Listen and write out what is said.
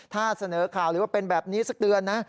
ถ้าเสนอข่าวหรือว่าเป็นแบบนี้สักเดือนนะ